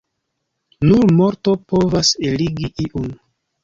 Nur morto povas eligi iun.